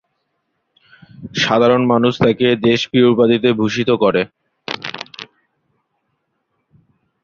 সাধারণ মানুষ তাকে দেশপ্রিয় উপাধিতে ভূষিত করে।